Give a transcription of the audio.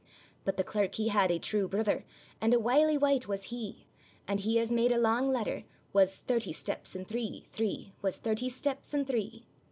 But the clerk he had ae true brother, And a wily wicht was he; And he has made a lang ladder, Was thirty steps and three, three; Was thirty steps and three.